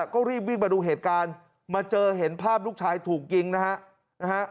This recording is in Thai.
ก็รีบวิ่งมาดูเหตุการณ์มาเจอเห็นภาพลูกชายถูกยิงนะฮะนะฮะ